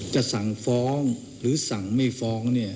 จะสั่งฟ้องหรือสั่งไม่ฟ้องเนี่ย